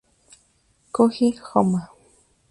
Koji Homma